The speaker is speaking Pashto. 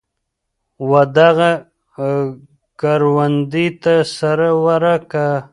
ودغه کروندې ته سره ورکه.